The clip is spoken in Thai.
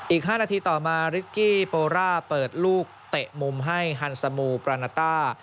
อีก๕นาทีต่อมาริสกี้โปร่าเปิดลูกเตะมุมให้ฮันซามูปรานาต้า